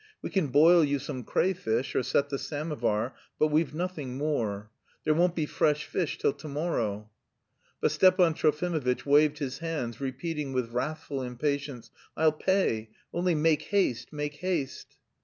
We can boil you some crayfish or set the samovar, but we've nothing more. There won't be fresh fish till to morrow." But Stepan Trofimovitch waved his hands, repeating with wrathful impatience: "I'll pay, only make haste, make haste."